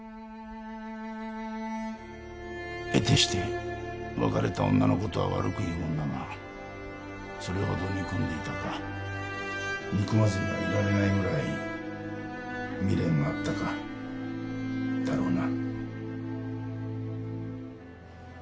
得てして別れた女の事は悪く言うもんだがそれほど憎んでいたか憎まずにはいられないぐらい未練があったかだろうな。